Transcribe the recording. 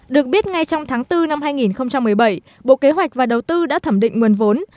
được biết ngay trong tháng bốn năm hai nghìn một mươi bảy bộ kế hoạch và đầu tư đã thẩm định nguồn vốn